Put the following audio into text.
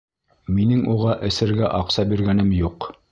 Минең уға эсергә аҡса биргәнем юҡ!